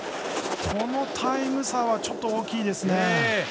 このタイム差は、ちょっと大きいですね。